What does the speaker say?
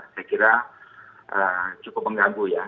saya kira cukup mengganggu ya